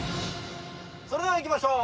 それではいきましょう。